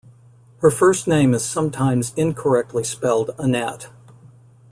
Her first name is sometimes incorrectly spelled Annett.